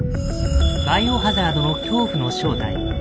「バイオハザード」の恐怖の正体。